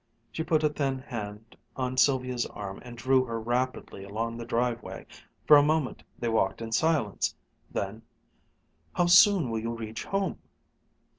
She put a thin hand on Sylvia's arm and drew her rapidly along the driveway. For a moment they walked in silence. Then, "How soon will you reach home?"